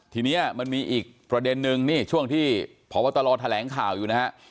ทีนี้มีอีกประเด็นนึงช่วงที่พวตแทลงข่าวอยู่นะครับ